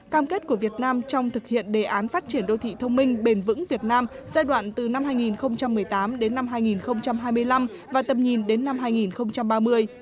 cam kết của việt nam trong thực hiện đề án phát triển đô thị thông minh bền vững việt nam giai đoạn từ năm hai nghìn một mươi tám đến năm hai nghìn hai mươi năm và tầm nhìn đến năm hai nghìn ba mươi